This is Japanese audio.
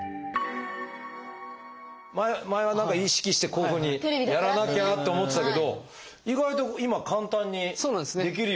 前は何か意識してこういうふうにやらなきゃって思ってたけど意外と今簡単にできるようになってますね。